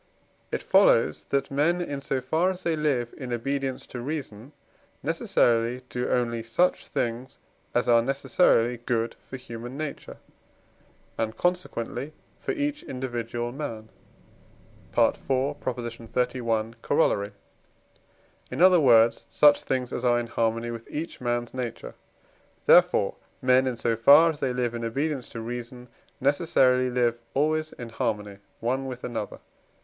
it follows that men, in so far as they live in obedience to reason, necessarily do only such things as are necessarily good for human nature, and consequently for each individual man (IV. xxxi. Coroll.); in other words, such things as are in harmony with each man's nature. Therefore, men in so far as they live in obedience to reason, necessarily live always in harmony one with another.